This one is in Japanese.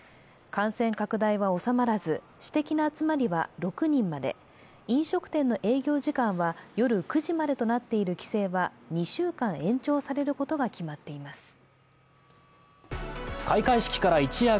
感染拡大は収まらず、私的な集まりは６人まで、飲食店の営業時間は夜９時までとなっている規制は２週間延長されることが決まっています。